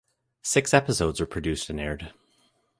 Six episodes were produced and aired.